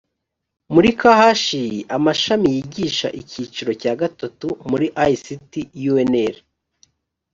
muri khi amashami yigisha icyiciro cya gatatu muri ict unr